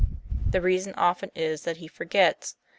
The reason often is that he forgets.